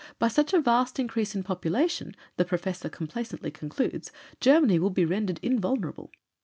By such a vast increase in population, the Professor complacently concludes, 'Germany will be rendered invulnerable.'